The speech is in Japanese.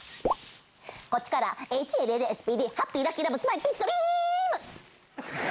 こっちからＨＬＬＳＰＤハッピーラッキーラブスマイルピースドリム！